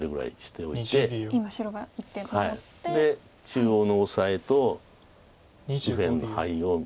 中央のオサエと右辺のハイを。